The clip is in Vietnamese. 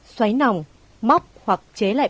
xoáy nòng móc hoặc chế lại